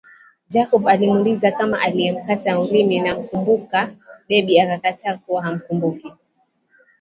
Jacob alimuuliza kama aliyemkata ulimi namkumbuka Debby akakataa kuwa hamkumbuki